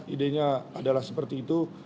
ide nya adalah seperti itu